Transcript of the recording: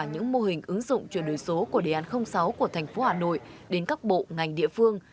những mô hình ứng dụng chuyển đổi số của đề án sáu của thành phố hà nội đến các bộ ngành địa phương